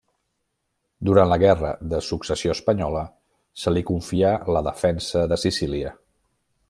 Durant la Guerra de Successió Espanyola se li confià la defensa de Sicília.